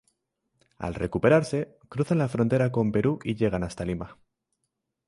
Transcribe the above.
Al recuperarse, cruzan la frontera con Perú y llegan hasta Lima.